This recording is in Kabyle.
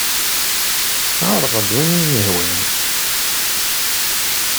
Ɛreḍ-d win ay am-yehwan.